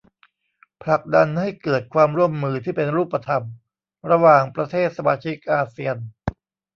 ผลักดันให้เกิดความร่วมมือที่เป็นรูปธรรมระหว่างประเทศสมาชิกอาเซียน